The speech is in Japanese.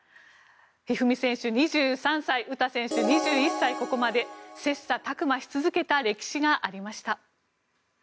一二三選手、２３歳詩選手、２１歳ここまで切磋琢磨し続けた歴史がありました。